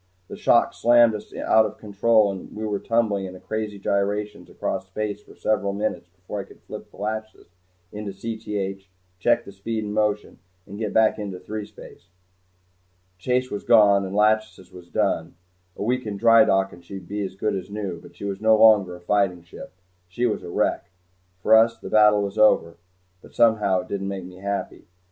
The shock slammed us out of control and we went tumbling in crazy gyrations across space for several minutes before I could flip the "Lachesis" into Cth, check the speed and motion, and get back into threespace. Chase was gone and "Lachesis" was done. A week in drydock and she'd be as good as new, but she was no longer a fighting ship. She was a wreck. For us the battle was over but somehow it didn't make me happy.